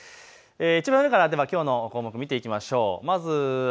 いちばん上からきょうの項目、見ていきましょう。